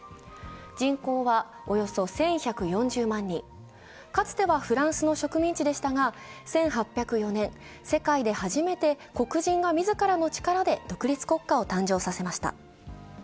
人口はおよそ１１４０万人、かつてはフランスの植民地でしたが、１８０４年、世界で初めて黒人が自らの力で独立国家を誕生させました。